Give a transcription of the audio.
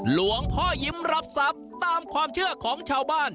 หลวงพ่อยิ้มรับทรัพย์ตามความเชื่อของชาวบ้าน